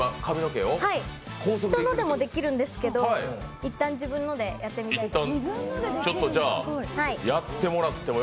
人のでもできるんですけど、一旦自分のでやってみます。